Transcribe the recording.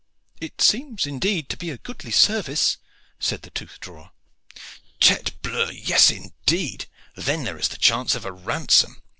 "It seems indeed to be a goodly service," said the tooth drawer. "Tete bleu! yes, indeed. Then there is the chance of a ransom.